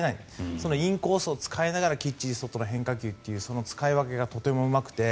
そのインコースを使いながらきっちり外の変化球という使い分けがとてもうまくて。